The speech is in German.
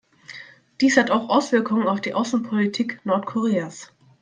Dies hat auch Auswirkungen auf die Außenpolitik Nordkoreas.